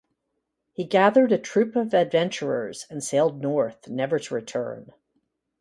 He gathered a troupe of adventurers and sailed north, never to return.